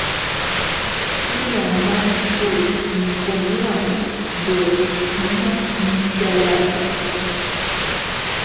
თინა მა შურს მიკომუანდჷ დო რინას მიბჟალარანდჷ.